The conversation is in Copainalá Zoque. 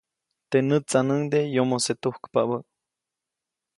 Teʼ nätsaʼnuŋde yomose tujkpabä.